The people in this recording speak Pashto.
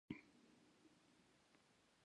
آیا او ډیر حقایق نه بیانوي؟